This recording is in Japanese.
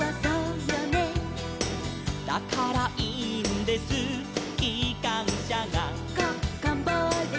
「だからいいんですきかんしゃが」